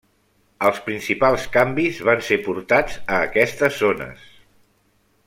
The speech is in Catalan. Els principals canvis van ser portats a aquestes zones.